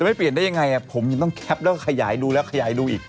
ไม่เปลี่ยนได้ยังไงผมยังต้องแคปแล้วก็ขยายดูแล้วขยายดูอีก